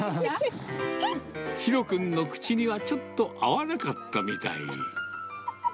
紘君の口にはちょっと合わなかったみたい。